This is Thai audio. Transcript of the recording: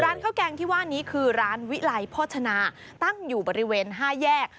ข้าวแกงที่ว่านี้คือร้านวิไลโภชนาตั้งอยู่บริเวณ๕แยก